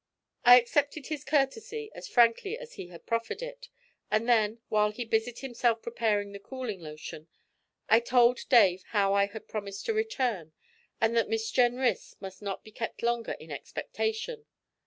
I accepted his courtesy as frankly as he had proffered it, and then, while he busied himself preparing the cooling lotion, I told Dave how I had promised to return, and that Miss Jenrys must not be kept longer in expectation.